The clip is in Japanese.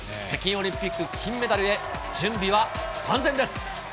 北京オリンピック金メダルへ、準備は万全です。